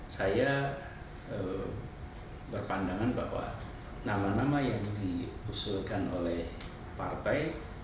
saya berpandangan bahwa nama nama yang diusulkan oleh partai